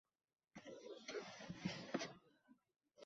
Husayin qaradi. Va hayratdan qichqirdi.